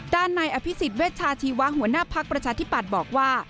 ด้านในอภิษฎเวชาชีวะหัวหน้าภักดิ์ประชาธิปัตย์บอกว่า